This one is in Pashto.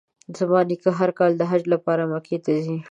زما نیکه هر کال د حج لپاره مکې ته ځي.